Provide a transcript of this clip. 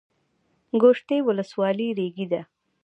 ګوشتې ولسوالۍ ریګي ده؟